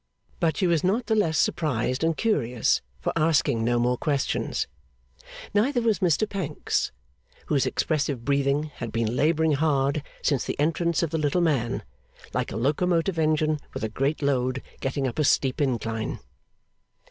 But she was not the less surprised and curious for asking no more questions; neither was Mr Pancks, whose expressive breathing had been labouring hard since the entrance of the little man, like a locomotive engine with a great load getting up a steep incline.